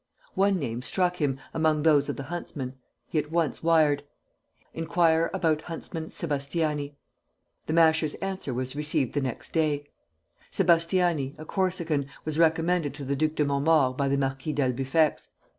One name struck him, among those of the huntsmen. He at once wired: "Inquire about huntsman Sébastiani." The Masher's answer was received the next day: "Sébastiani, a Corsican, was recommended to the Duc de Montmaur by the Marquis d'Albufex.